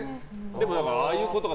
でもああいうことか。